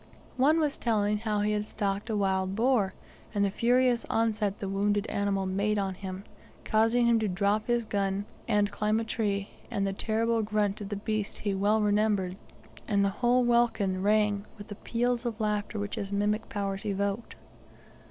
One was telling how he had stalked a wild boar, and the furious onset the wounded animal made on him, causing him to drop his gun, and climb a tree, and the terrible grunt of the beast he well remembered, and the whole welkin rang with the peals of laughter which his mimic powers evoked.